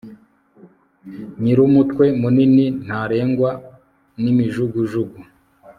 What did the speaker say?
nyirumutwe munini ntarengwa n'imijugujugu